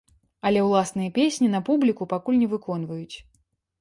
Але ўласныя песні на публіку пакуль не выконваюць.